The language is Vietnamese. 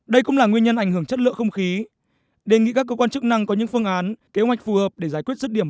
đây cũng là nguyên nhân ảnh hưởng chất lượng không khí